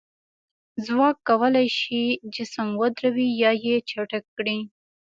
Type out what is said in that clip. ځواک کولی شي جسم ودروي یا یې چټک کړي.